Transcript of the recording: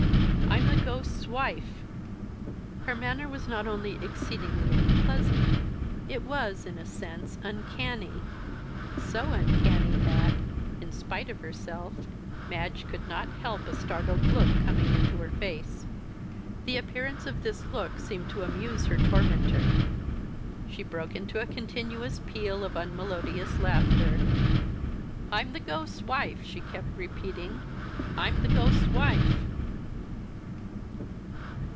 I'm the ghost's wife!" Her manner was not only exceedingly unpleasant; it was, in a sense, uncanny so uncanny that, in spite of herself, Madge could not help a startled look coming into her face. The appearance of this look seemed to amuse her tormentor. She broke into a continuous peal of unmelodious laughter. "I'm the ghost's wife!" she kept repeating. "I'm the ghost's wife."